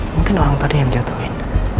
mungkin orang pada yang jatuhin